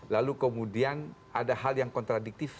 lalu kemudian ada hal yang kontradiktif